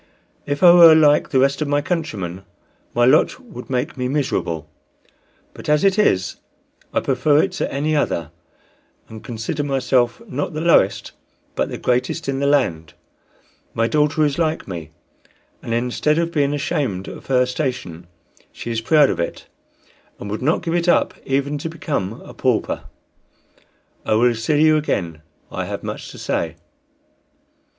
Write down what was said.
If I were like the rest of my countrymen, my lot would make me miserable; but as it is I prefer it to any other, and consider myself not the lowest but the greatest in the land. My daughter is like me, and instead of being ashamed of her station she is proud of it, and would not give it up even to become a pauper. I will see you again. I have much to say."